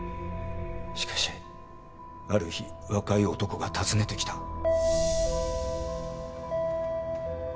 しかしある日若い男が訪ねてきた。